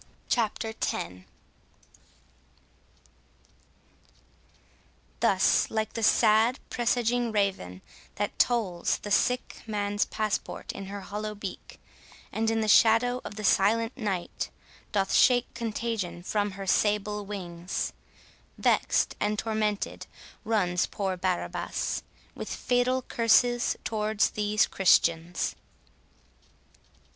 CHAPTER X Thus, like the sad presaging raven, that tolls The sick man's passport in her hollow beak, And in the shadow of the silent night Doth shake contagion from her sable wings; Vex'd and tormented, runs poor Barrabas, With fatal curses towards these Christians.